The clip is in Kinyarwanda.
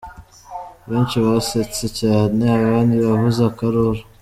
Benshi basetse cyane, abandi bavuza akaruru.